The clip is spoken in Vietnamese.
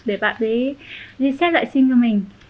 để bạn ấy reset lại sim của mình